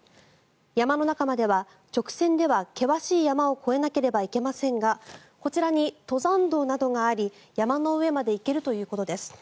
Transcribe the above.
山の中までは直線では険しい山を越えなければいけませんがこちらに登山道などがあり山の上まで行けるということです。